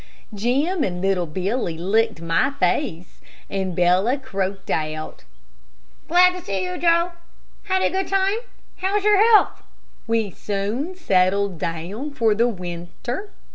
Jim and little Billy licked my face, and Bella croaked out, "Glad to see you, Joe. Had a good time? How's your health?" We soon settled down for the winter.